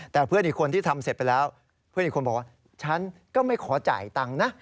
แต่เพื่อนอีกคนที่ทำเสร็จไปแล้วเพื่อนอีกคนบอกว่าฉันก็ไม่ขอจ่ายตังค์นะ